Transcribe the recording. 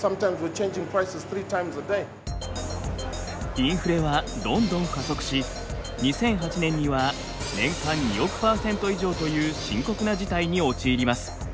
インフレはどんどん加速し２００８年には年間２億％以上という深刻な事態に陥ります。